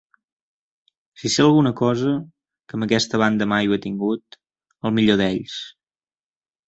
Si sé alguna cosa, que amb aquesta banda mai ho he tingut, el millor d'ells.